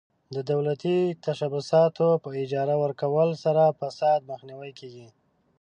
د دولتي تشبثاتو په اجاره ورکولو سره فساد مخنیوی کیږي.